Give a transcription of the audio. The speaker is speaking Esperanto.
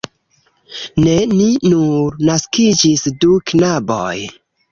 Ne! Ni nur naskiĝis du knaboj!